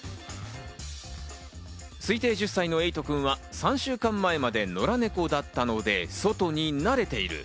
推定１０歳のエイトくんは３週間前まで野良ネコだったので、外に慣れている。